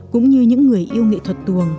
cũng như những người yêu nghệ thuật tù